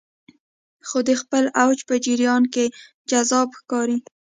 خو د خپل اوج په جریان کې جذابه ښکاري